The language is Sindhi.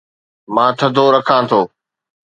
مان ٿڌو رکان ٿو